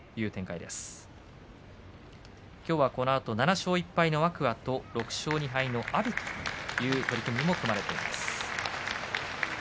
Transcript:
このあと、７勝１敗の天空海と６勝２敗の阿炎の取組も組まれています。